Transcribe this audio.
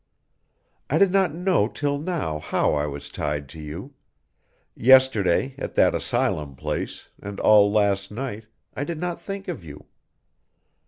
I did not know till now how I was tied to you; yesterday at that asylum place and all last night I did not think of you.